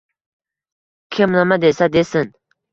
Kim nima desa, desin